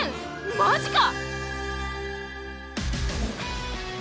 マジか！